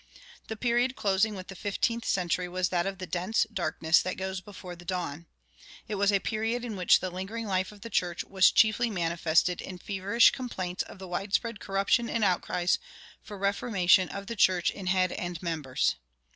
The period closing with the fifteenth century was that of the dense darkness that goes before the dawn. It was a period in which the lingering life of the church was chiefly manifested in feverish complaints of the widespread corruption and outcries for "reformation of the church in head and members."